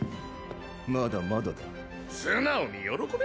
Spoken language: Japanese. まだまだだ素直に喜べ